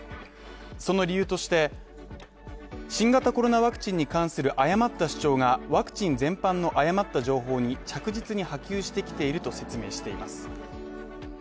その理由として新型コロナワクチンに関する誤った主張がワクチン全般の誤った情報に着実に波及してきていると説明しています。